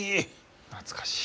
懐かしい。